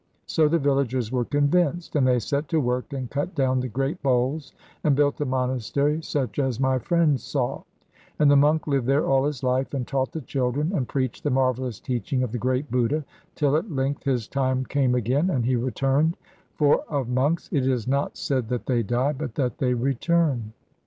So the villagers were convinced, and they set to work and cut down the great boles, and built the monastery such as my friend saw. And the monk lived there all his life, and taught the children, and preached the marvellous teaching of the great Buddha, till at length his time came again and he returned; for of monks it is not said that they die, but that they return.